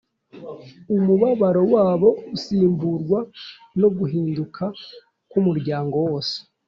Umubabaro wabo usimburwa no guhinduka kw’umuryango wose.